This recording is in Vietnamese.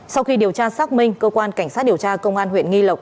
sau khi điều tra xác minh cơ quan cảnh sát điều tra công an huyện nghi lộc